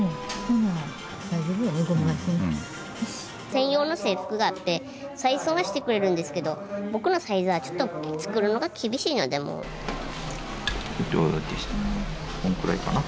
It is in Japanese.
うん専用の制服があって採寸はしてくれるんですけど僕のサイズはちょっと作るのが厳しいのでもうどうこんくらいかな？